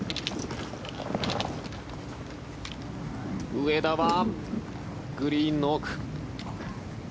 上田はグリーンの奥。